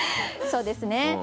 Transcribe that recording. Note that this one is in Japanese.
そうですね。